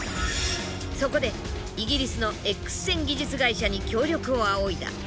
そこでイギリスのＸ線技術会社に協力を仰いだ。